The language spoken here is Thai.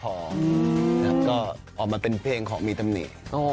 แล้วก็ออกมาเป็นเพลงของมีตำหนิ